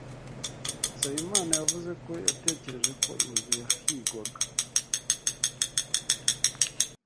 Nsabimana yavuze ko yatekereje ko inzu yahigwaga.